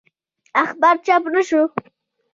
اخبار چاپ نه شو.